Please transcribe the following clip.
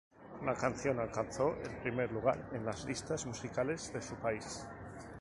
La canción alcanzó el primer lugar en las listas musicales de su país.